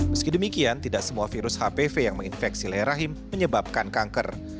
meski demikian tidak semua virus hpv yang menginfeksi leher rahim menyebabkan kanker